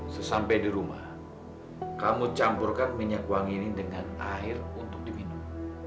sesampai di rumah kamu campurkan minyak wangi ini dengan air untuk diminum